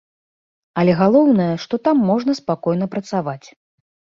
Але галоўнае, што там можна спакойна працаваць.